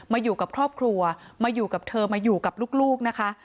อยู่กับครอบครัวมาอยู่กับเธอมาอยู่กับลูกนะคะ